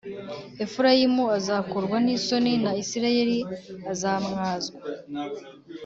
Efurayimu azakorwa n’ isoni na Isirayeli azamwazwa